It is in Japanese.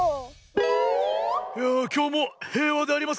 いやあきょうもへいわでありますなあ。